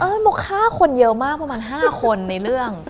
โมฆ่าคนเยอะมากประมาณ๕คนในเรื่อง